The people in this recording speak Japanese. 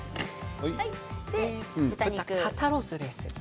肩ロースです。